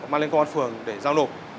mang lên công an phường để giao nộp